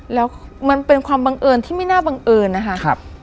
แล้วมันเป็นความบังเอิญที่ไม่น่าบังเอิญนะคะ